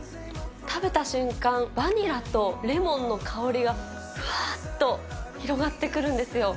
食べた瞬間、バニラとレモンの香りがふわっと広がってくるんですよ。